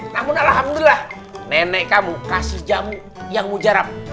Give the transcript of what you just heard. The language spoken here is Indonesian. namun alhamdulillah nenek kamu kasih jamu yang mujarab